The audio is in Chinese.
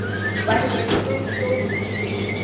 完颜宗弼。